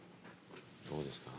どうですか？